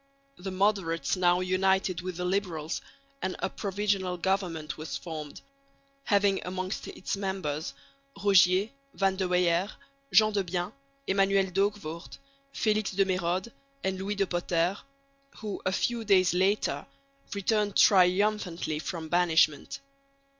The moderates now united with the liberals, and a Provisional Government was formed, having amongst its members Rogier, Van de Weyer, Gendebien, Emmanuel D'Hoogvoort, Felix de Mérode and Louis de Potter, who a few days later returned triumphantly from banishment.